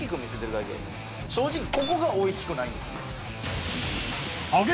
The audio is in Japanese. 正直ここがおいしくないんです。